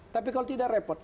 tapi kalau tidak repot